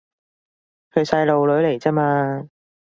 佢細路女嚟咋嘛